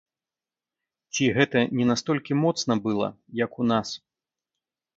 Ці гэта не настолькі моцна была, як у нас?